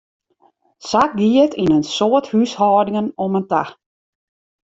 Sa gie it yn in soad húshâldingen om en ta.